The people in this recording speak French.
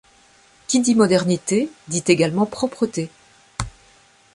Qui dit modernité dit également propreté.